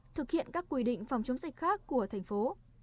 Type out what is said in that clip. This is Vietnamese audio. thực hiện các quy định phòng chống dịch khác của thành phố